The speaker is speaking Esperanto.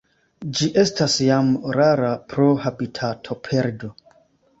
Ĝi estas jam rara pro habitatoperdo.